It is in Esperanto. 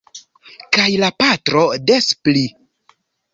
Kaj la patro des pli.